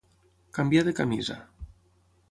Canviar de camisa.